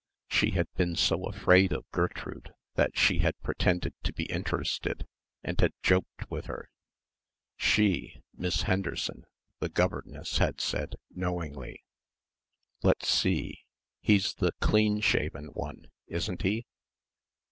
She had been so afraid of Gertrude that she had pretended to be interested and had joked with her she, Miss Henderson, the governess had said knowingly, "Let's see, he's the clean shaven one, isn't he?"